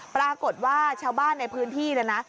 ปรากฏว่าชาวบ้านในพื้นที่เนี่ยนะ